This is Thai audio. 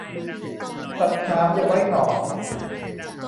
ตัดหนามอย่าไว้หน่อ